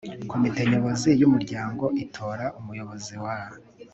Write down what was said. komite nyobozi y umuryango itora umuyobozi wa